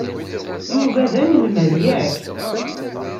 Yuba d anelmad, yak?